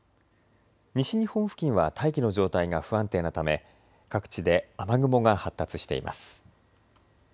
西日本付近は大気の状態が不安定なため各地で雨雲が発達しています。